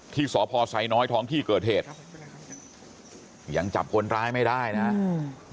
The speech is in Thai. ที่สพไซน้อยท้องที่เกิดเหตุยังจับคนร้ายไม่ได้นะอืม